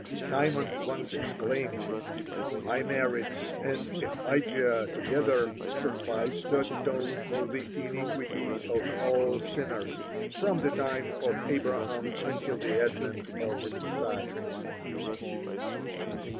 Simon once exclaimed: "My merits and Ahijah together suffice to atone for the iniquity of all sinners from the time of Abraham until the advent of the Messiah."